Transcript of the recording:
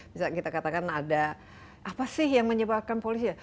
bisa kita katakan ada apa sih yang menyebabkan polisi ya